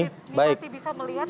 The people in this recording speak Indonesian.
anda juga dikit ini masih bisa melihat